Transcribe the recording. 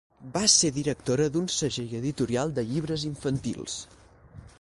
Va ser directora d'un segell editorial de llibres infantils.